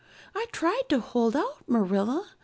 I tried to hold out, Marilla.